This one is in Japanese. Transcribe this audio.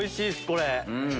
これ。